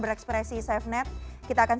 berekspresi safenet kita akan